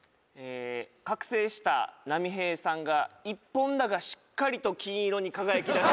覚醒した波平さんが一本だがしっかりと金色に輝きだした。